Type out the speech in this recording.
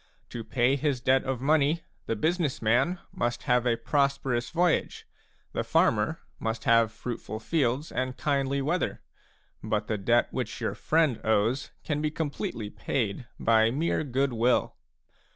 To pay his debt of money, the business man must have a prosperous voyage, the farmer must have fruitful fields and kindly weather; but the debt which your friend owes can be completely paid by mere goodwill.